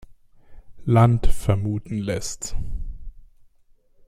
Land vermuten lässt.